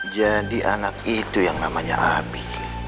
jadi anak itu yang namanya abi